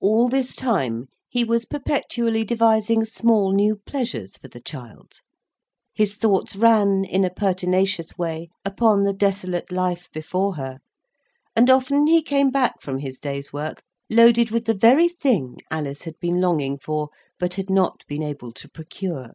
All this time, he was perpetually devising small new pleasures for the child. His thoughts ran, in a pertinacious way, upon the desolate life before her; and often he came back from his day's work loaded with the very thing Alice had been longing for, but had not been able to procure.